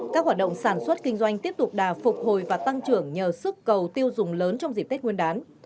các hoạt động sản xuất kinh doanh tiếp tục đà phục hồi và tăng trưởng nhờ sức cầu tiêu dùng lớn trong dịp tết nguyên đán